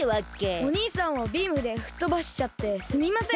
お兄さんをビームでふっとばしちゃってすみません！